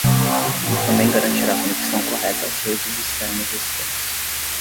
Também garantirá a conexão correta às redes externas existentes.